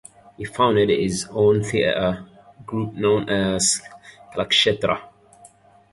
He founded his own theatre group known as Kalakshetra.